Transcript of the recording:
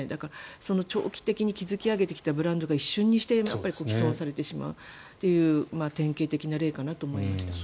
その長期的に築き上げてきたブランドが一瞬にして毀損されてしまうという典型的な例かなと思いました。